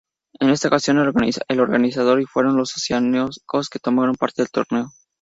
En esta ocasión, el organizador y fueron los oceánicos que tomaron parte del torneo.